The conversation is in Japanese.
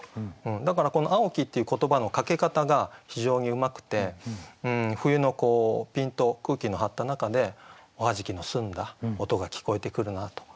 だからこの「蒼き」っていう言葉のかけ方が非常にうまくて冬のピンと空気の張った中でおはじきの澄んだ音が聞こえてくるなと。